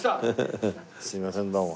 すいませんどうも。